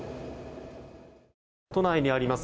都内にあります